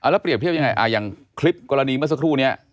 แล้วเปรียบเทียบยังไงอย่างคลิปกรณีเมื่อสักครู่นี้